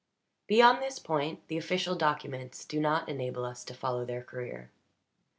Beyond this point the official documents do not enable us to follow their career.